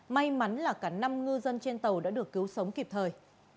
may mắn là cả năm ngư dân trên tàu đã được cứu sống kịp thời